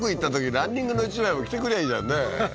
ランニングの１枚も着てくりゃいいじゃんねははは